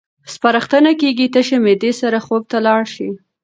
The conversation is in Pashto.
سپارښتنه کېږي تشه معده سره خوب ته لاړ شئ.